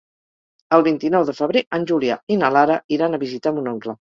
El vint-i-nou de febrer en Julià i na Lara iran a visitar mon oncle.